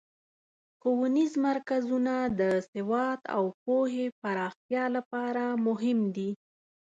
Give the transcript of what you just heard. ښوونیز مرکزونه د سواد او پوهې پراختیا لپاره مهم دي.